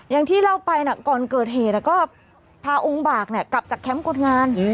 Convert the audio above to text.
อย่างที่เล่าไปก่อนเกิดเหตุก็พาองค์บากกลับจากแคมป์คนงาน